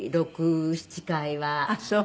ああそう。